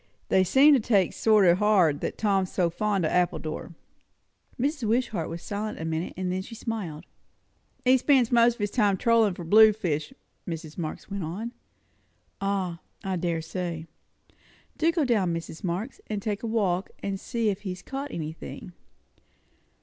They seem to take it sort o' hard, that Tom's so fond of Appledore." Mrs. Wishart was silent a minute, and then she smiled. "He spends his time trollin' for blue fish," Mrs. Marx went on. "Ah, I dare say. Do go down, Mrs. Marx, and take a walk, and see if he has caught anything."